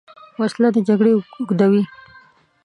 وسله د جګړې اوږدوې